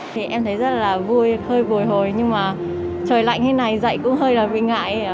thì em thấy rất là vui hơi buồi hồi nhưng mà trời lạnh thế này dậy cũng hơi là bị ngại